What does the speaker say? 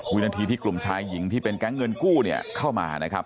วินาทีที่กลุ่มชายหญิงที่เป็นแก๊งเงินกู้เนี่ยเข้ามานะครับ